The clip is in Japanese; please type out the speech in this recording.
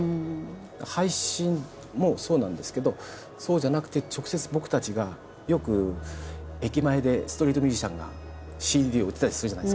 配信もそうなんですけどそうじゃなくて直接僕たちがよく駅前でストリートミュージシャンがＣＤを売ってたりするじゃないですか。